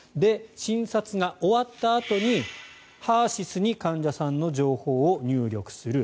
診察が終わったあとにＨＥＲ−ＳＹＳに患者さんの情報を入力する。